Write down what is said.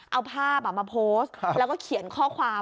เอาภาพมาโพสต์แล้วก็เขียนข้อความ